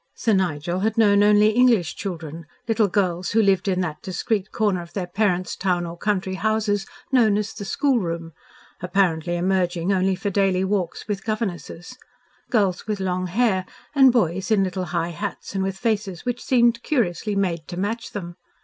Sir Nigel had known only English children, little girls who lived in that discreet corner of their parents' town or country houses known as "the schoolroom," apparently emerging only for daily walks with governesses; girls with long hair and boys in little high hats and with faces which seemed curiously made to match them.